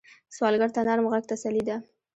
سوالګر ته نرم غږ تسلي ده